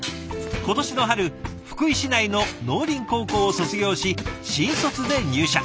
今年の春福井市内の農林高校を卒業し新卒で入社。